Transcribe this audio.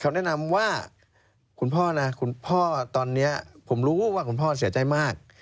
แนะนำว่าคุณพ่อนะคุณพ่อตอนนี้ผมรู้ว่าคุณพ่อเสียใจมาก